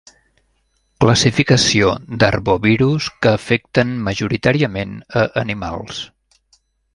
Classificació d'arbovirus que afecten majoritàriament a animals.